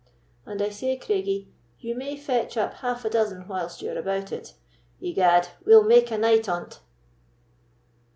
And I say, Craigie, you may fetch up half a dozen whilst you are about it. Egad, we'll make a night on't!"